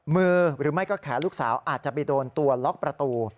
มือหรือไม่ก็แขนลูกสาวอาจจะไปโดนตัวล็อกประตู